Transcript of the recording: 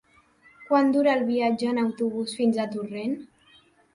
Quant dura el viatge en autobús fins a Torrent?